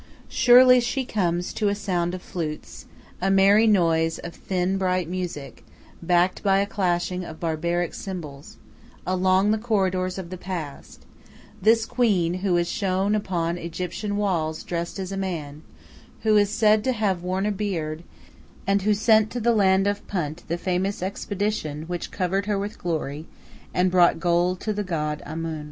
Surely she comes to a sound of flutes, a merry noise of thin, bright music, backed by a clashing of barbaric cymbals, along the corridors of the past; this queen who is shown upon Egyptian walls dressed as a man, who is said to have worn a beard, and who sent to the land of Punt the famous expedition which covered her with glory and brought gold to the god Amun.